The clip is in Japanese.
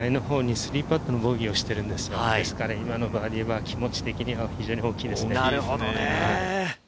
前のほうに３パットのボギーをしているんですが、今のバーディーは気持ち的には非常に大きいですね。